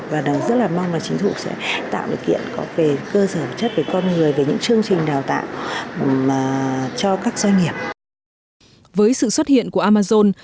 với sự xuất hiện của amazon